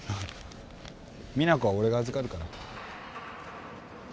実那子は俺が預かるから。